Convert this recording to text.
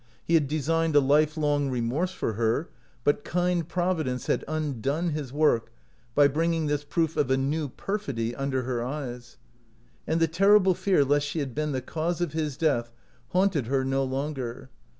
He had designed a lifelong remorse for her, but kind Providence had undone his work by bringing this proof of a new perfidy under her eyes ; and the terrible fear lest she had been the cause of his death haunted her no longer.